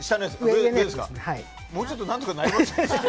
もうちょっと何とかなりませんでしたか？